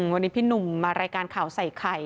วันนี้พี่หนุ่มมารายการข่าวใส่ไข่